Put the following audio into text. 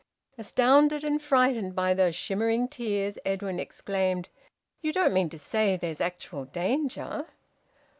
Astounded and frightened by those shimmering tears, Edwin exclaimed, "You don't mean to say there's actual danger?"